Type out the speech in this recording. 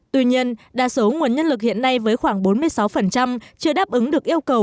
tuy nhiên đa số nguồn nhân lực hiện nay với khoảng bốn mươi sáu chưa đáp ứng được yêu cầu